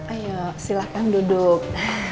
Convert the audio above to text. ayo silahkan duduk